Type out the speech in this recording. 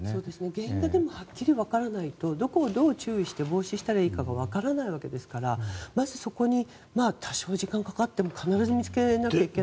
原因だけははっきりわからないとどこをどう注意して防止したらいいかがわからないわけですからまずそこに多少時間がかかっても必ず見つけなきゃいけない。